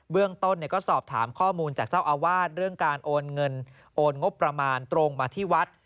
เรื่องต้นก็สอบถามข้อมูลจากเจ้าอาวาสเรื่องการโอนเงินโอนงบประมาณตรงมาที่วัด